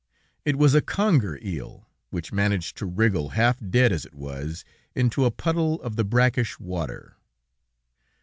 It was a conger eel, which managed to wriggle, half dead as it was, into a puddle of the brackish water.